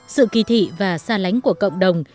sự kỳ thị và xa lánh của cộng đồng